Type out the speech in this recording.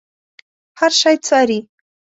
هر شی څاري.